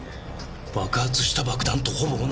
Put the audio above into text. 爆発した爆弾とほぼ同じサイズです。